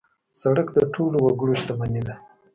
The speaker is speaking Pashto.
سړک د ټولو وګړو شتمني ده.